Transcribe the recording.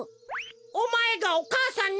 おまえがお母さんに！